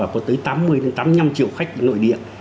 có tới tám mươi tám mươi năm triệu khách nội địa